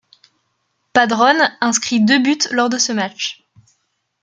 Padrón inscrit deux buts lors de ce match.